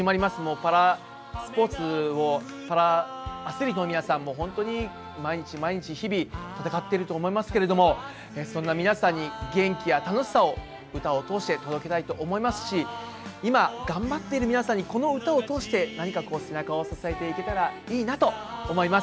パラスポーツパラアスリートの皆さんも日々、戦っていると思いますがそんな皆さんに元気や楽しさを届けていきたいと思いますし今、頑張っている皆さんにこの歌を通して何か背中を押させていただけたらいいなと思っています。